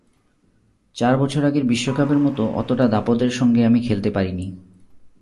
চার বছর আগের বিশ্বকাপের মতো অতটা দাপটের সঙ্গে আমি খেলতে পারিনি।